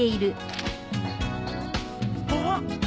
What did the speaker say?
あっ！